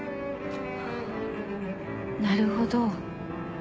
なるほど。